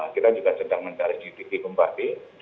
kita juga sedang mencari di bumbadi